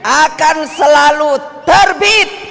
akan selalu terbit